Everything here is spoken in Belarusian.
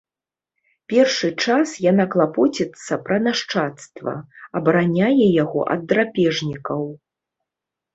Першы час яна клапоціцца пра нашчадства, абараняе яго ад драпежнікаў.